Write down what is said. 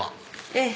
ええ。